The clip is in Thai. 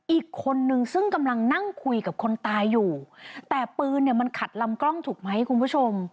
อีกคนนึงซึ่งกำลังนั่งคุยกับคนตายอยู่แต่ปืนเนี่ยมันขัดลำกล้องถูกไหมคุณผู้ชม